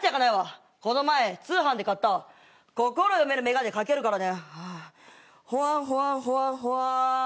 この前通販で買った心読めるメガネ掛けるからね。